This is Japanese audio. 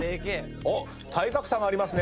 体格差がありますね。